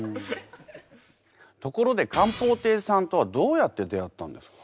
ところで咸豊帝さんとはどうやって出会ったんですか？